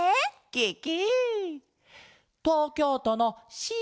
ケケ！